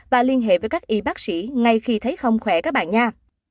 và liên hệ với các y bác sĩ ngay khi thấy không khỏe các bạn nha